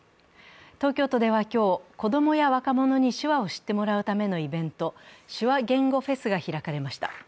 東京都では今日、子供や若者に手話を知ってもらうためのイベント、手話言語フェスが開かれました。